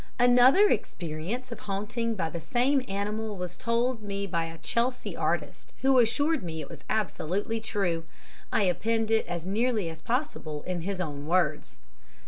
Another experience of haunting by the same animal was told me by a Chelsea artist who assured me it was absolutely true. I append it as nearly as possible in his own words.